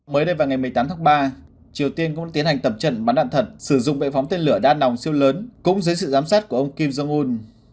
mới đây vào ngày một mươi tám tháng ba triều tiên cũng tiến hành tập trận bắn đạn thật sử dụng bệ phóng tên lửa đa nòng siêu lớn cũng dưới sự giám sát của ông kim jong un